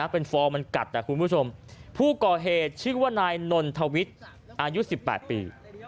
เป็นฟองมันกัดแต่คุณผู้ชมผู้ก่อเหตุชื่อว่านายนนทวิทย์อายุ๑๘ปี